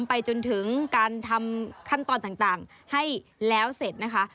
ไปจนถึงการทำขั้นตอนต่างให้แล้วเสร็จนะคะ